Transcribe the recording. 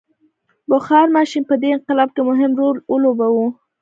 بخار ماشین په دې انقلاب کې مهم رول ولوباوه.